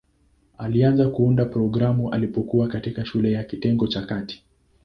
Alianza kuunda programu alipokuwa katikati shule ya kitengo cha kati.